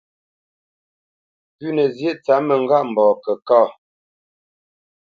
Pʉ̌nǝ zyéʼ tsǎp mǝŋgâʼmbɔɔ kǝ kâ.